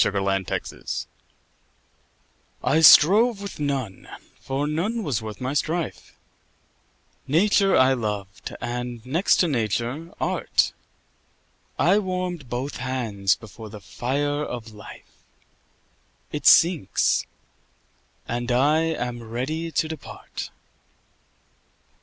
9 Autoplay I strove with none, for none was worth my strife: Nature I loved, and, next to Nature, Art: I warm'd both hands before the fire of Life; It sinks; and I am ready to depart.